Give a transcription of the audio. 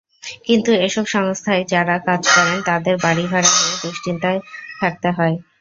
কিন্তু এসব সংস্থায় যঁারা কাজ করেন, তাঁদের বাড়িভাড়া নিয়ে দুশ্চিন্তায় থাকতে হয়।